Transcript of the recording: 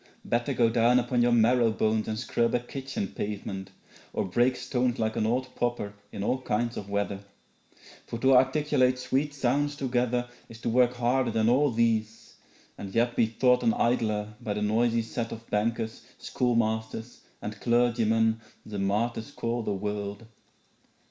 Better go down upon your marrow bones And scrub a kitchen pavement, or break stones Like an old pauper in all kinds of weather; For to articulate sweet sounds together Is to work harder than all these and yet Be thought an idler by the noisy set Of bankers, schoolmasters, and clergymen The martyrs call the world.'